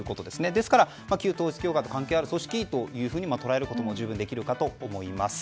ですから旧統一教会と関わりのある組織とも捉えることも十分できるかと思います。